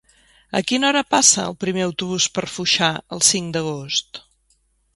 A quina hora passa el primer autobús per Foixà el cinc d'agost?